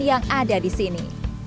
yang ada di sini